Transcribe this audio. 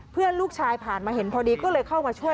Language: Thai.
เพื่อนลูกชายผ่านมาเห็นพอดีก็เลยเข้ามาช่วย